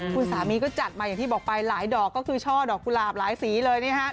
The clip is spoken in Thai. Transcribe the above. คุณสามีก็จัดมาอย่างที่บอกไปหลายดอกก็คือช่อดอกกุหลาบหลายสีเลยนะฮะ